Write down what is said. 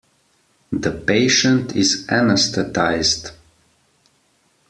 The patient is anesthetised.